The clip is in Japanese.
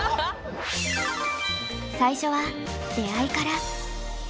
最初は「出会い」から。